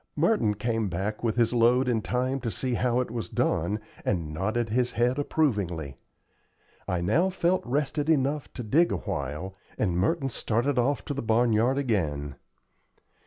Merton came back with his load in time to see how it was done, and nodded his head approvingly. I now felt rested enough to dig awhile, and Merton started off to the barn yard again.